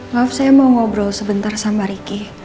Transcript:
maaf saya mau ngobrol sebentar sama ricky